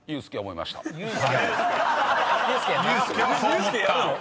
ユースケやるの？